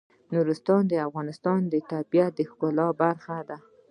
نورستان د افغانستان د طبیعت د ښکلا برخه ده.